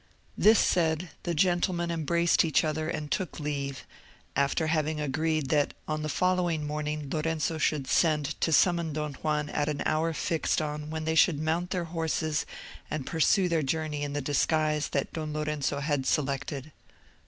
This said, the gentlemen embraced each other and took leave, after having agreed that on the following morning Lorenzo should send to summon Don Juan at an hour fixed on when they should mount their horses and pursue their journey in the disguise that Don Lorenzo had selected.